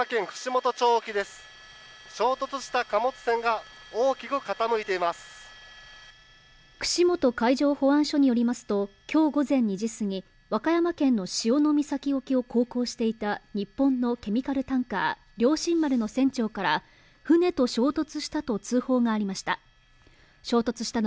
串本海上保安署によりますときょう午前２時過ぎ和歌山県の潮岬沖を航行していた日本のケミカルタンカー「菱心丸」の船長から船と衝突したと通報がありました